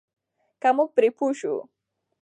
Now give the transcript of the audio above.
که موږ پرې پوه شو.